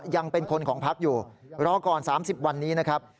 ยังเป็นคนของพักอยู่รอก่อน๓๐วันนี้นะครับ